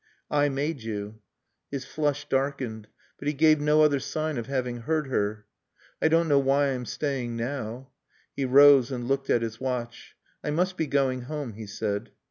"I made you." His flush darkened. But he gave no other sign of having heard her. "I don't know why I'm staying now." He rose and looked at his watch. "I must be going home," he said.